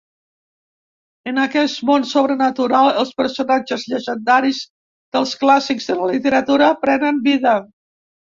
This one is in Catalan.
En aquest món sobrenatural, els personatges llegendaris dels clàssics de la literatura prenen vida.